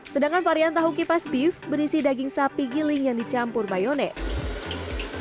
sedangkan varian tahu kipas beef berisi daging sapi giling yang dicampur mayonese